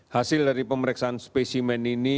hasil dari pemeriksaan spesimen ini